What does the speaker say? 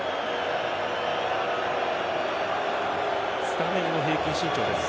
スタメンの平均身長です。